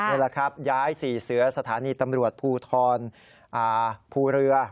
นี่แหละครับย้าย๔เสือสถานีตำรวจภูทรภูเรือ